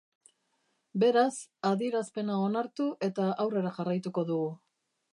Beraz, adierazpena onartu eta aurrera jarraituko dugu.